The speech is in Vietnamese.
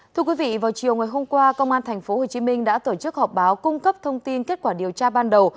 thưa quý vị vào chiều ngày hôm qua công an tp hcm đã tổ chức họp báo cung cấp thông tin kết quả điều tra ban đầu